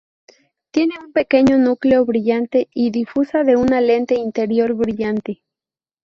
Tiene un pequeño núcleo brillante y difusa de una lente interior brillante.